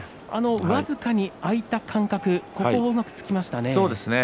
僅かに空いた間隔ここをうまく突きましたね。